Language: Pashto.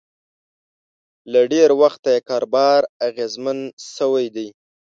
له ډېره وخته یې کاروبار اغېزمن شوی دی